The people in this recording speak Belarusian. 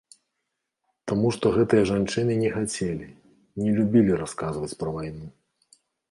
Таму што гэтыя жанчыны не хацелі, не любілі расказваць пра вайну.